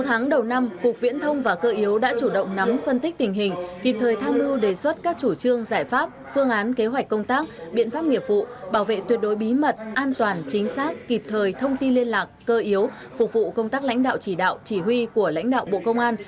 sáu tháng đầu năm cục viễn thông và cơ yếu đã chủ động nắm phân tích tình hình kịp thời tham mưu đề xuất các chủ trương giải pháp phương án kế hoạch công tác biện pháp nghiệp vụ bảo vệ tuyệt đối bí mật an toàn chính xác kịp thời thông tin liên lạc cơ yếu phục vụ công tác lãnh đạo chỉ đạo chỉ huy của lãnh đạo bộ công an